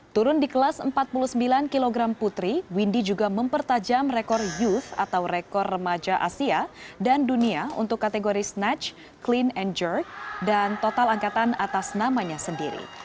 turun di kelas empat puluh sembilan kg putri windy juga mempertajam rekor uv atau rekor remaja asia dan dunia untuk kategori snatch clean and jerk dan total angkatan atas namanya sendiri